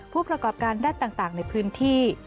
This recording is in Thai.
ผู้ประกอบการด้านต่างในพื้นที่